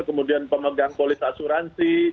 kemudian pemegang polis asuransi